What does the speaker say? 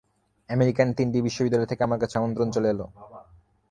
American তিনটি বিশ্ববিদ্যালয় থেকে আমার কাছে আমন্ত্রণ চলে এল।